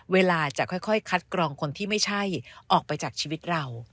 เวลาจะค่อยคัดกรองคนที่ไม่ใช่ออกไปจากชีวิตเรา